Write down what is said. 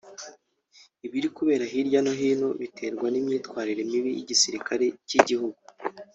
« Ibiri kubera hariya birimo biraterwa n’imyitwarire mibi y’igisirakare cy’igihugu